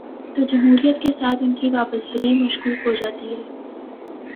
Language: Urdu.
تو جمہوریت کے ساتھ ان کی وابستگی مشکوک ہو جا تی ہے۔